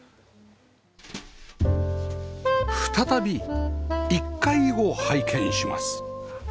再び１階を拝見します